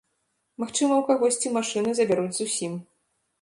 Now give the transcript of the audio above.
Магчыма, у кагосьці машыны забяруць зусім.